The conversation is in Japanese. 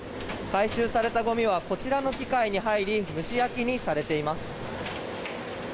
回収されたごみはこちらの機械に入り蒸し焼きにされています。